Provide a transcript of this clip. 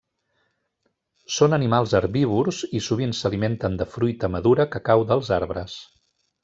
Són animals herbívors i sovint s'alimenten de fruita madura que cau dels arbres.